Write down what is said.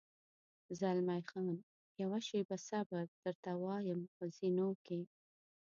زلمی خان: یوه شېبه صبر، درته وایم، په زینو کې.